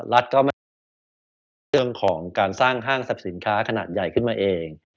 รัฐก็ไม่ได้มีเรื่องของการสร้างห้างสรรพสินค้าขนาดใหญ่ขึ้นมาเอง